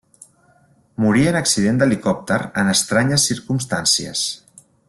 Morí en accident d'helicòpter en estranyes circumstàncies.